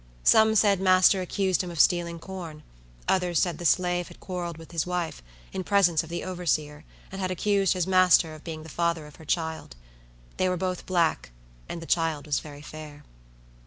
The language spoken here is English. Some said master accused him of stealing corn; others said the slave had quarrelled with his wife, in presence of the overseer, and had accused his master of being the father of her child. They were both black, and the child was very fair.